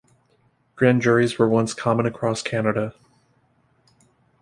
Grand juries were once common across Canada.